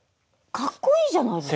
かっこいいじゃないですか。